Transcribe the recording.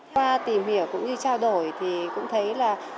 qua tìm hiểu cũng như trao đổi thì cũng thấy là